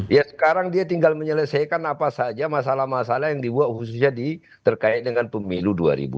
ya sekarang dia tinggal menyelesaikan apa saja masalah masalah yang dibuat khususnya terkait dengan pemilu dua ribu dua puluh